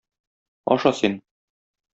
Аша син.